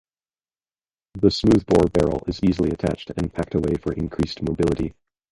The smoothbore barrel is easily detached and packed away for increased mobility.